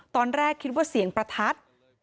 ตอนแรกคิดว่าเสียงประทัด